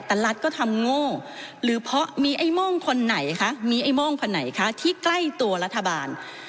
แต่รัฐก็ทำโง่หรือเพราะมีไอ้โม่งคนไหนคะมีไอ้โม่งคนไหนคะที่ใกล้ตัวรัฐบาล